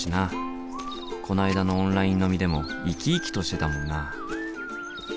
こないだのオンライン飲みでも生き生きとしてたもんな。